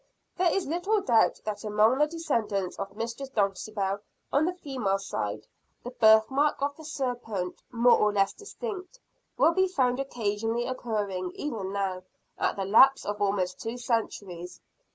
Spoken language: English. There is little doubt that among the descendants of Mistress Dulcibel, on the female side, the birth mark of the serpent, more or less distinct, will be found occasionally occurring, even now, at the lapse of almost two centuries.